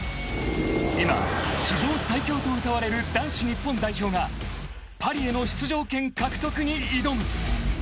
［今史上最強とうたわれる男子日本代表がパリへの出場権獲得に挑む］